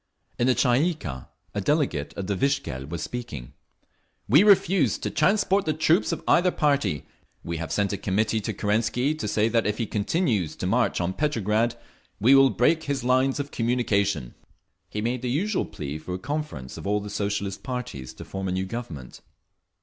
In the Tsay ee kah a delegate of the Vikzhel was speaking: "We refuse to transport the troops of either party…. We have sent a committee to Kerensky to say that if he continues to march on Petrograd we will break his lines of communication…." He made the usual plea for a conference of all the Socialist parties to form a new Government….